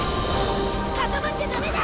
固まっちゃダメだ！